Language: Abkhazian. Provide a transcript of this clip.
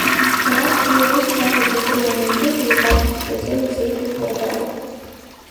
Алиас уи ус шакәыз идыруан азы, дибацыԥхьаӡа изеиҭаҳәара далагон.